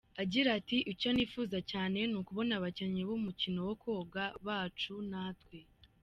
Agira ati “Icyo nifuza cyane ni ukubona abakinnyi b’umukino wo koga bacu natwe.